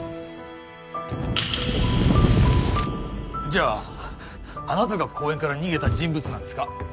じゃああなたが公園から逃げた人物なんですか？